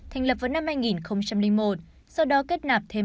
thành lập vào năm hai nghìn một